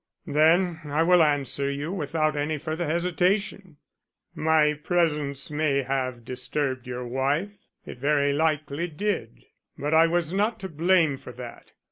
"Then I will answer you without any further hesitation. My presence may have disturbed your wife, it very likely did, but I was not to blame for that.